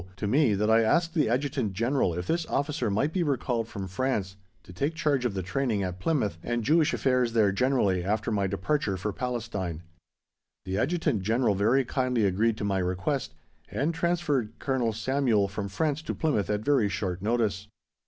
to me that I asked the Adjutant General if this officer might be recalled from France to take charge of the training at Plymouth, and Jewish affairs there generally, after my departure for Palestine. The Adjutant General very kindly agreed to my request, and transferred Colonel Samuel from France to Plymouth at very short notice.